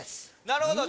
なるほど。